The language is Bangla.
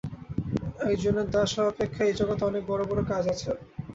একজনের দাস হওয়া অপেক্ষা এই জগতে অনেক বড় বড় কাজ আছে।